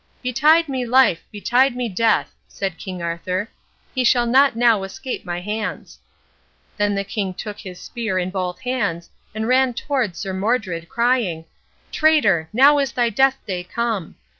"Betide me life, betide me death," said King Arthur, "he shall not now escape my hands." Then the king took his spear in both hands, and ran toward Sir Modred, crying, "Traitor, now is thy death day come."